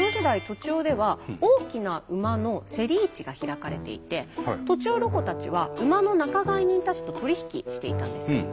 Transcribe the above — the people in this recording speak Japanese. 栃尾では大きな馬の競り市が開かれていて栃尾ロコたちは馬の仲買人たちと取り引きしていたんです。